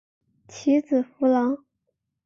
其子苻朗。